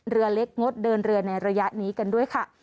เรือเล็กงดเดินเรือในระยะนี้กันด้วยค่ะ